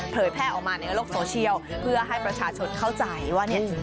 แพร่ออกมาในโลกโซเชียลเพื่อให้ประชาชนเข้าใจว่าเนี่ย